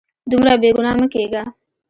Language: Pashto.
دومره بې ګناه مه کیږه